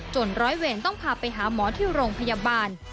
ร้อยเวรต้องพาไปหาหมอที่โรงพยาบาล